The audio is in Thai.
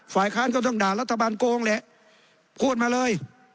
ฝ่ายค้านก็ต้องด่ารัฐบาลโกงแหละพูดมาเลย